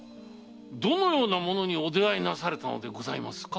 どのようなものにお出会いなされたのですか？